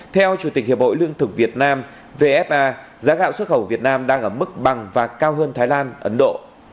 theo chủ tịch hiệp hội lương thực việt nam vfa giá gạo xuất khẩu việt nam đang ở mức bằng và cao hơn thái lan ấn độ